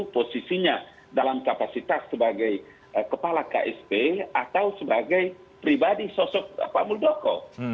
posisinya dalam kapasitas sebagai kepala ksp atau sebagai pribadi sosok pak muldoko